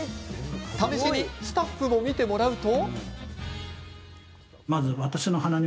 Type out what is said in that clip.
試しにスタッフも診てもらうと。